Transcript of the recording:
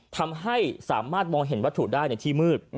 ทำให้สามารถมองเห็นวัตถุได้ในที่มืด